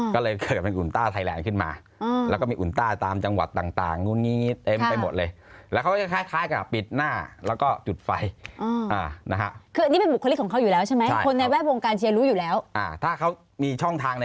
ก็เลยเกิดอุนต้าไทยแรมขึ้นมาแล้วก็มีอุนต้าตามจังหวัดต่าง